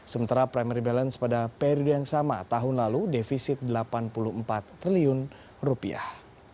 sementara primary balance pada periode yang sama tahun lalu defisit delapan puluh empat triliun rupiah